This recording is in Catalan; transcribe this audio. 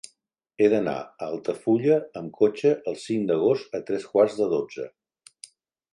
He d'anar a Altafulla amb cotxe el cinc d'agost a tres quarts de dotze.